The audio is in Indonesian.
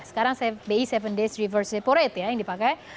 sekarang bi tujuh days reverse separate yang dipakai